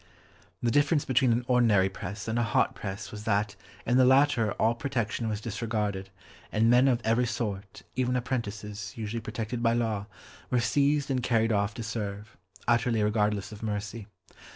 The difference between an ordinary press and a "hot press" was that in the latter all protection was disregarded, and men of every sort, even apprentices usually protected by law, were seized and carried off to serve, utterly regardless of mercy.